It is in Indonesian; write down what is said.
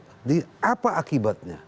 jadi apa akibatnya